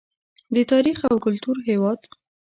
د تاریخ او کلتور هیواد.